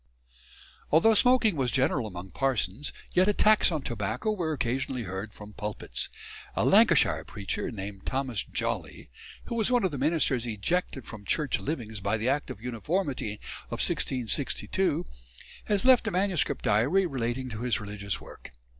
Although smoking was general among parsons, yet attacks on tobacco were occasionally heard from pulpits. A Lancashire preacher named Thomas Jollie, who was one of the ministers ejected from Church livings by the Act of Uniformity, 1662, has left a manuscript diary relating to his religious work.